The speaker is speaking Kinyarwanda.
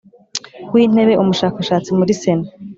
w Intebe Umushakashatsi muri Sena